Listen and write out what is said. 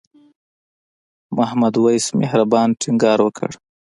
محمد وېس مهربان ټینګار وکړ.